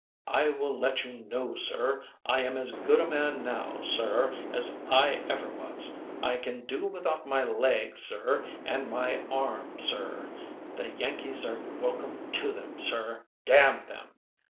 " I will let you know, Sir ! I am as good a man now, Sir! as I ever was! I can do without my leg, Sir, and my arm, Sir! The Yankees are welcome to them, Sir? Damn them!